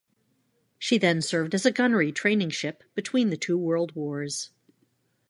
She then served as a gunnery training ship between the two world wars.